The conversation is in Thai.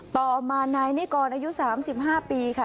ต่อมานายนิกรอายุ๓๕ปีค่ะ